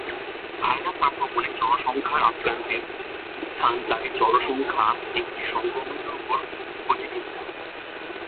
Virus আক্রমণে জনসংখ্যার আক্রান্তের উত্থান তাদের জনসংখ্যা একটি সংক্রমণের উপর গতিবিদ্যা।